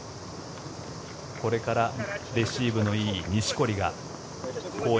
これからレシーブのいい錦織が後衛。